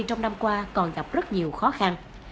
trong năm qua còn gặp rất nhiều khó khăn